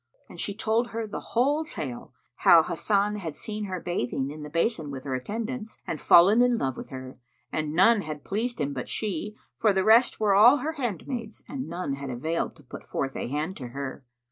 And she told her the whole tale how Hasan had seen her bathing in the basin with her attendants, and fallen in love with her, and none had pleased him but she, for the rest were all her handmaids, and none had availed to put forth a hand to her.